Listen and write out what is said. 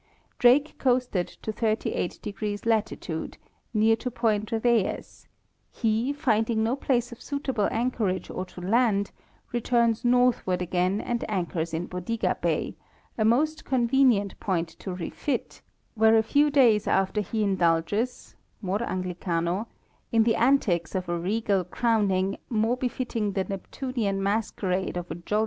Drake coasted to 58° latitude, near to point Reyes; he, finding no place of suitable anchorage or to land, returns northward again and anchors in Bodega bay, a most OC aeenaiene point to refit, where a few days after he indulges (more Anglicano) in the antics of a regs al crown ing more pee the Neptunian mé snqquemade 6 of a yes set of * Op.